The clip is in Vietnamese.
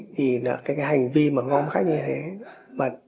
thì cái hành vi mà gom khách như thế